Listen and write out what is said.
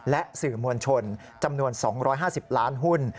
และสื่อมวลชนจำนวน๒๕๐ล้านหุ้น